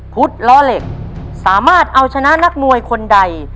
ล้อเหล็กสามารถเอาชนะนักมวยคนใด